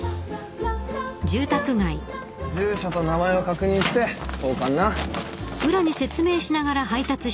住所と名前を確認して投函な。